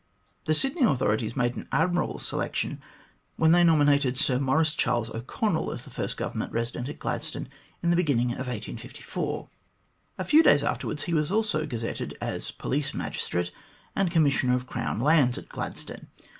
The Sydney authorities made aa V4 THE GLADSTONE COLONY admirable selection when they nominated Sir Maurice Charles O'Connell as the first Government Eesident at Gladstone at the beginning of 1854. A few days afterwards he was also gazetted as Police Magistrate and Commissioner of Crown Lands at Gladstone.